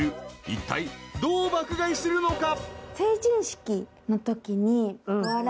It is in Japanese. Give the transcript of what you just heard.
［いったいどう爆買いするのか？］